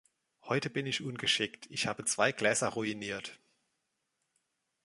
Heute bin ich ungeschickt; Ich habe zwei Gläser ruiniert.